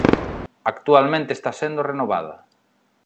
Actualmente está sendo renovada.